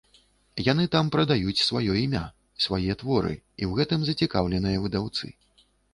Яны там прадаюць сваё імя, свае творы, і ў гэтым зацікаўленыя выдаўцы.